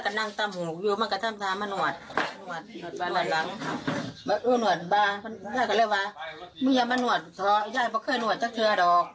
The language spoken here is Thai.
บอกบ้านมานี่มันมาจกเลย